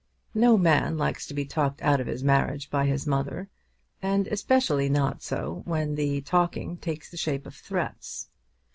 No man likes to be talked out of his marriage by his mother, and especially not so when the talking takes the shape of threats.